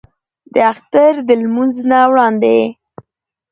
د اختر د لمونځ نه وړاندې